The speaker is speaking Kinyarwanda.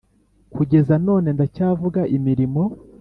Kugeza none ndacyavuga imirimo